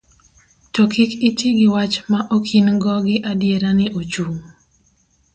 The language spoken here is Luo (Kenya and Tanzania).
to kik iti gi wach ma ok in go gi adiera ni ochung